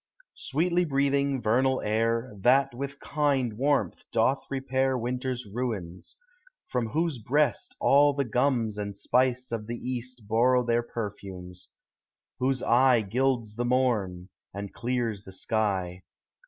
Sweetly breathing, vernal air, That with kind warmth doth repair Winter's ruins; from whose breast All the gums and spice of the East Borrow their perfumes; whose eye Gilds the morn, and clears the sky.